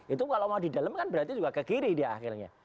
itu kalau mau di dalam kan berarti juga ke kiri dia akhirnya